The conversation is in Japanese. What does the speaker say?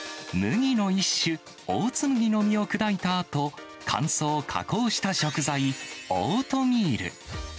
麦の一種、オーツ麦の実を砕いたあと、乾燥、加工した食材、オートミール。